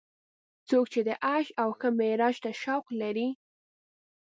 څوک چې د عیش او ښه معراج ته شوق لري.